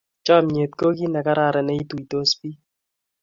chamyet ko kei ne kararan neitutos pik